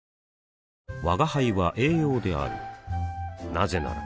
なぜなら